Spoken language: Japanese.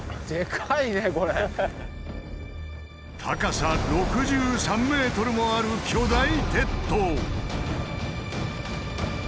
高さ６３ｍもある巨大鉄塔。